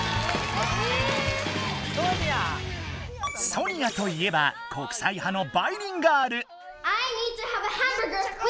ソニアといえば国際派のバイリンガール。